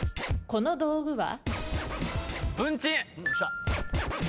この道具は？